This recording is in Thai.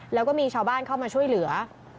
แล้วก็มีชาวบ้านเข้ามาช่วยเหลือ